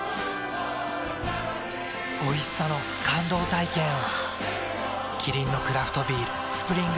おいしさの感動体験を。